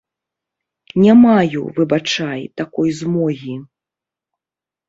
Не маю, выбачай, такой змогі.